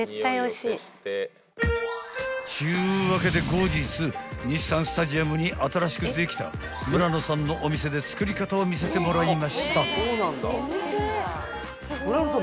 ［っちゅうわけで後日日産スタジアムに新しくできた村野さんのお店で作り方を見せてもらいました］